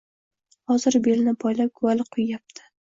Hozir belini boylab, guvala quyyapti.